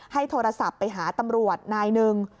โทรศัพท์ไปหาตำรวจนายหนึ่ง